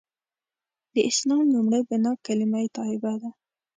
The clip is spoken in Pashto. د اسلام لومړۍ بناء کلیمه طیبه ده.